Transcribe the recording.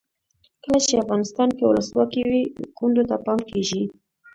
کله چې افغانستان کې ولسواکي وي کونډو ته پام کیږي.